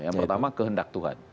yang pertama kehendak tuhan